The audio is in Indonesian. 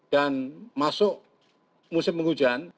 dan masuk musim penghujan